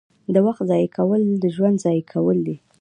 • د وخت ضایع کول ژوند ضایع کول دي.